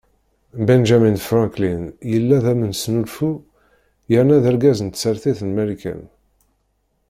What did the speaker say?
Benjamin Franklin yella d amesnulfu yerna d argaz n tsertit n Marikan.